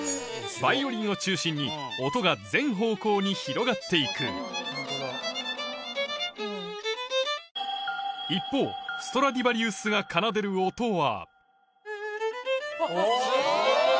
バイオリンを中心に音が全方向に広がって行く一方ストラディバリウスが奏でる音は